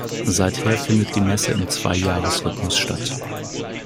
Seither findet die Messe im Zwei-Jahres-Rhythmus statt.